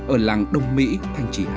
ở làng đông mỹ thành trì hà nội